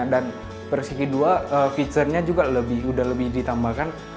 dan versi kedua fiturnya juga sudah lebih ditambahkan